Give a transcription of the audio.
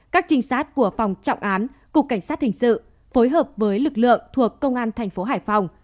các trinh sát của phòng trọng án cục cảnh sát hình sự phối hợp với lực lượng thuộc công an thành phố hải phòng